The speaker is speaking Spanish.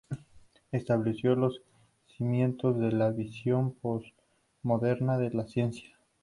Estableció los cimientos de la visión posmoderna de la ciencia.